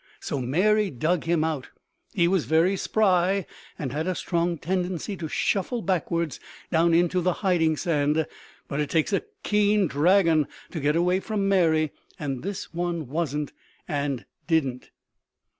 So Mary dug him out. He was very spry and had a strong tendency to shuffle backwards down into the hiding sand. But it takes a keen dragon to get away from Mary, and this one wasn't and didn't.